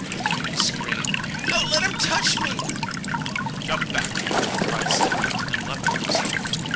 he screamed. "Don't let him touch me!" "Jump back!" cried Sam, and leaped himself.